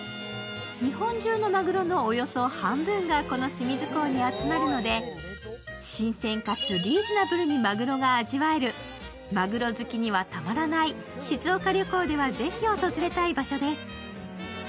日本中のマグロのおよそ半分がこの清水港に集まるので新鮮かつリーズナブルにマグロが味わえる、マグロ好きにはたまらない静岡旅行ではぜひ訪れたい場所です。